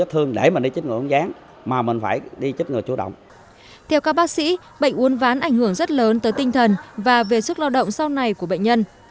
theo các bác sĩ bệnh uốn ván ảnh hưởng rất lớn tới tinh thần và về sức lao động sau này của bệnh nhân